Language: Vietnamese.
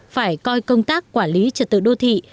phải coi công tác quản lý trật tự đô thị